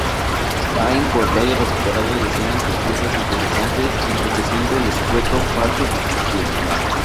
Ha importado y recuperado decenas de piezas interesantes, enriqueciendo el escueto parque que existía.